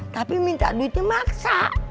tapi minta duitnya maksa